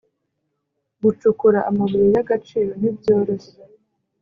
gucukura amabuye y agaciro ntibyoroshye